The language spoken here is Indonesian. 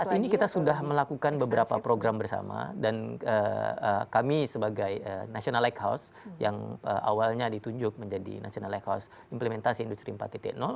saat ini kita sudah melakukan beberapa program bersama dan kami sebagai national lighthouse yang awalnya ditunjuk menjadi national lighthouse implementasi industri empat